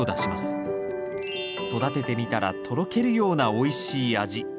育ててみたらとろけるようなおいしい味。